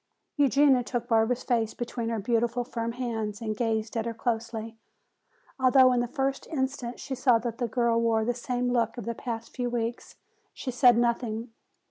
Eugenia took Barbara's face between her beautiful, firm hands and gazed at her closely. Although in the first instant she saw that the girl wore the same look of the past few weeks, she said nothing.